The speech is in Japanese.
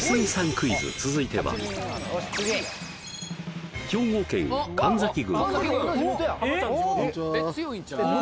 クイズ続いては兵庫県神崎郡こんにちは